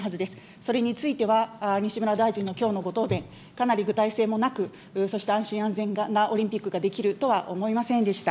それについては、西村大臣のきょうのご答弁、かなり具体性もなく、そして安心安全なオリンピックができるとは思えませんでした。